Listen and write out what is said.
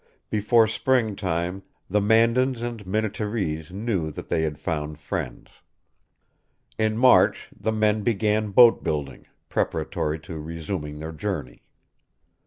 Before springtime, the Mandans and Minnetarees knew that they had found friends. In March the men began boat building, preparatory to resuming their journey.